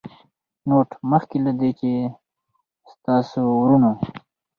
نوټ: مخکې له دې چې ستاسې وروڼو